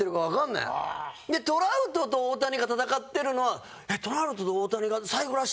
トラウトと大谷が戦ってるのは「えっトラウトと大谷が最後らしいよ」。